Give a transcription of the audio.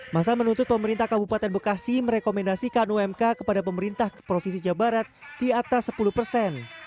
masa menuntut pemerintah kabupaten bekasi merekomendasikan umk kepada pemerintah provinsi jawa barat di atas sepuluh persen